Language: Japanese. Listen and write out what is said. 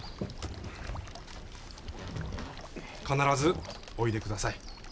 必ずおいで下さい。